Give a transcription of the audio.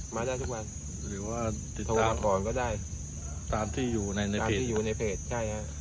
มาได้ทุกวันหรือว่าติดต่อมาก่อนก็ได้ตามที่อยู่ในในเพจที่อยู่ในเพจใช่ฮะ